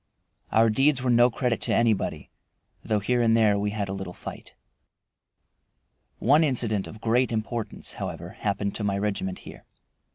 Our deeds were no credit to anybody, though here and there we had a little fight. One incident of great importance, however, happened to my regiment here.